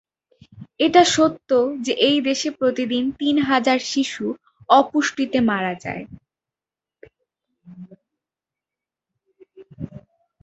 এটা সত্য যে এই দেশে প্রতিদিন তিন হাজার শিশু অপুষ্টিতে মারা যায়।